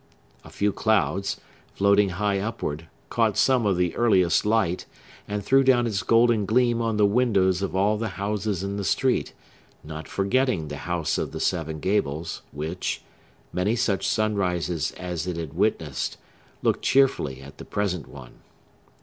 A few clouds, floating high upward, caught some of the earliest light, and threw down its golden gleam on the windows of all the houses in the street, not forgetting the House of the Seven Gables, which—many such sunrises as it had witnessed—looked cheerfully at the present one.